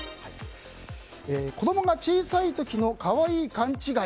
子供が小さい時の可愛い勘違い。